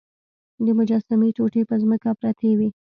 د مجسمې ټوټې په ځمکه پرتې وې.